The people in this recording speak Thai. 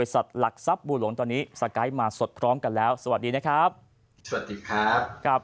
สวัสดีครับ